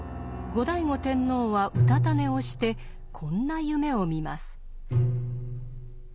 後醍醐天皇はうたた寝をしてこんな夢を見ます。